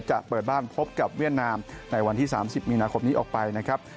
จะเปิดบ้านพบกับเวียดนามในวันที่๓๐มีนาคมนี้ออกไปนะครับ